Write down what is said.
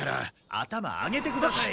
頭上げてください。